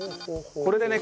これでね